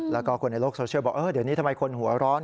แล้วก็คนในโลกโซเชียลบอกเดี๋ยวนี้ทำไมคนหัวร้อน